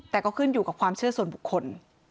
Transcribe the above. แต่ก็ขึ้นอยู่กับความเชื่อส่วนบุคคล